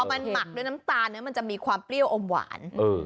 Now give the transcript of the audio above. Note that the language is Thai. มันหมักด้วยน้ำตาลมันจะมีความเปรี้ยวอมหวาน